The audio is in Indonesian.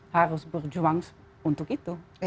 harus berjuang untuk itu